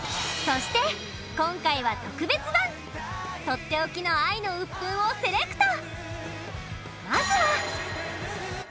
そして今回は特別版とっておきの愛のウップンをセレクト